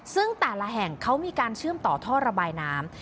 ซึ่งแต่ละแห่งเขามีการเชื่อมต่อท่อระบายน้ำ